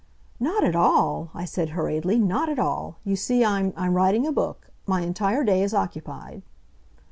"Not at all," I said, hurriedly, "not at all. You see I'm I'm writing a book. My entire day is occupied."